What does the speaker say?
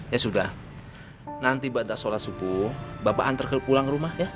ya sudah nanti bantah sholat subuh bapak antar pulang rumah ya